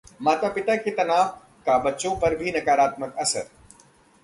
माता-पिता के तनाव का बच्चों पर भी नकारात्मक असर